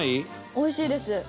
おいしいです。